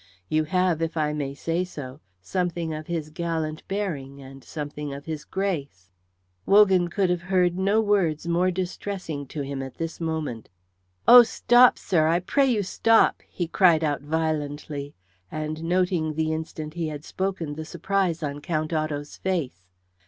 You have, if I may say so, something of his gallant bearing and something of his grace." Wogan could have heard no words more distressing to him at this moment. "Oh, stop, sir. I pray you stop!" he cried out violently, and noting the instant he had spoken the surprise on Count Otto's face.